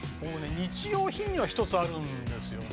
日用品には１つあるんですよね。